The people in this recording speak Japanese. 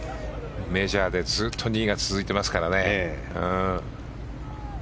メジャーで、ずっと２位が続いていますからね。